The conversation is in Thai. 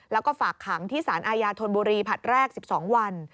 แล้วก็ฝากขังที่สารอาญาธนบุรีผลัดแรก๑๒วัน